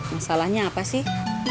masalahnya apa sih